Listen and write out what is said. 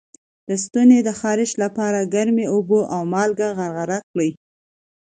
د ستوني د خارش لپاره ګرمې اوبه او مالګه غرغره کړئ